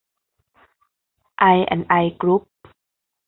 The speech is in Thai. ไอแอนด์ไอ กรุ๊ป